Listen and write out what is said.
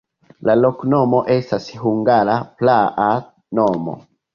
La loknomo estas hungara praa nomo.